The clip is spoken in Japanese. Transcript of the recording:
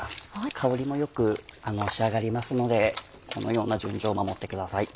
香りも良く仕上がりますのでこのような順序を守ってください。